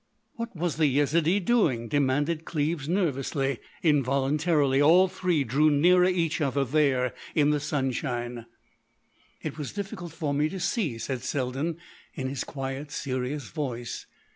"What was the Yezidee doing?" demanded Cleves nervously. Involuntarily all three drew nearer each other there in the sunshine. "It was difficult for me to see," said Selden in his quiet, serious voice.